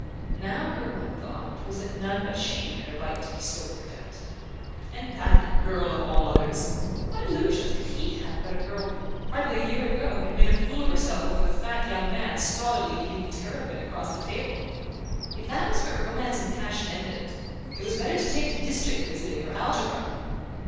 Now her one thought was that none but she had a right to be so looked at. And that girl of all others! What illusions could he have about a girl who, hardly a year ago, had made a fool of herself over the fat young man stolidly eating terrapin across the table? If that was where romance and passion ended, it was better to take to district visiting or algebra!